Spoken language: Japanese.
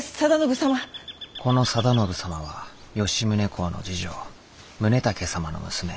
この定信様は吉宗公の次女宗武様の女。